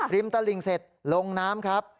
ตลิ่งเสร็จลงน้ำครับ